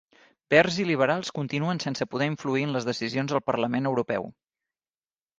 Verds i liberals continuen sense poder influir en les decisions al Parlament Europeu